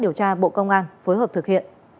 điều tra bộ công an phối hợp thực hiện